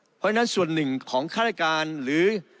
เพราะฉะนั้นส่วนหนึ่งของฆาตการหรือ